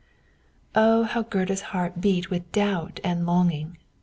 Oh, how Gerda's heart beat with doubt and longing!